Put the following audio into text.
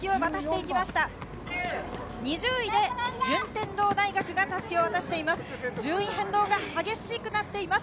２０位で順天堂大学が襷を渡しています。